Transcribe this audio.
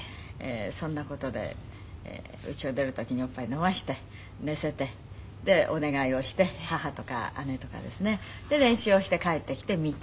そんな事で家を出る時におっぱい飲ませて寝せてでお願いをして母とか姉とかですね。で練習をして帰ってきて見て。